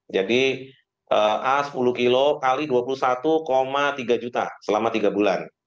jadi a sepuluh kilo x dua puluh satu tiga juta selama tiga bulan